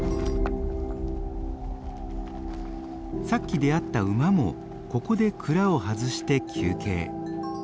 さっき出会った馬もここで鞍を外して休憩。